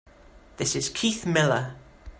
This is Keith Miller.